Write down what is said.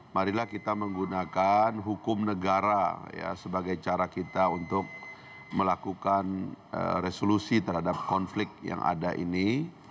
marilah kita menggunakan hukum negara sebagai cara kita untuk melakukan resolusi terhadap konflik yang ada ini